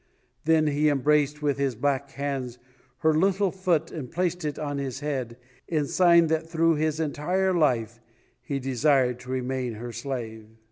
Then he embraced with his black hands her little foot and placed it on his head in sign that through his entire life he desired to remain her slave.